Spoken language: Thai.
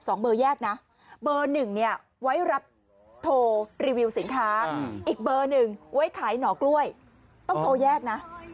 ต้องโทรแยกนะ